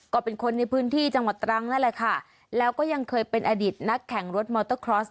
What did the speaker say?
ก็เป็นคนในพื้นที่จังหวัดตรังนั่นแหละค่ะแล้วก็ยังเคยเป็นอดีตนักแข่งรถมอเตอร์คลอส